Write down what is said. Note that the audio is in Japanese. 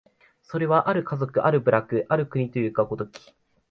それは或る家族、或る部落、或る国というが如き、